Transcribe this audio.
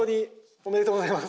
おめでとうございます。